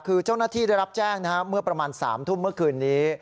คือเจ้าหน้าที่ได้รับแจ้งเมื่อประมาณ๓ทุ่มเมื่อคืนนี้